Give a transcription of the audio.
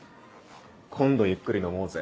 今度ゆっくり飲もうぜ。